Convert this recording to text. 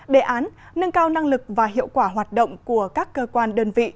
đề án nâng cao năng lực và hiệu quả hoạt động của các cơ quan đơn vị